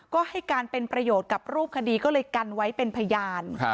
ก็ให้การเป็นประโยชน์กับรูปคดีก็เลยกันไว้เป็นพยาน